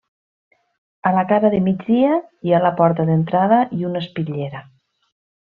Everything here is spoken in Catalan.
A la cara de migdia hi ha la porta d'entrada i una espitllera.